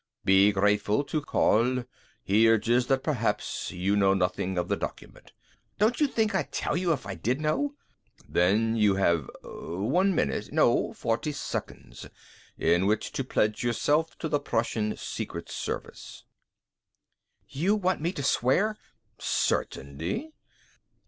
"Be grateful to Karl. He urges that perhaps you know nothing of the document." "Don't you think I'd tell if I did know?" "Then you have one minute no, forty seconds in which to pledge yourself to the Prussian Secret Service." "You want me to swear ?" "Certainly."